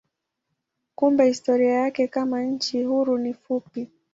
Kumbe historia yake kama nchi huru ni fupi.